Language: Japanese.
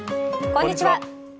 こんにちは。